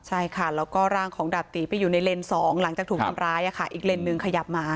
ใช่ค่ะแล้วก็ร่างของดาบตีไปอยู่ในเลนส์๒หลังจากถูกทำร้ายอีกเลนส์ขยับมา